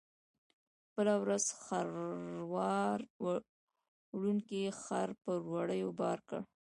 بله ورځ خروار وړونکي خر په وړیو بار کړ.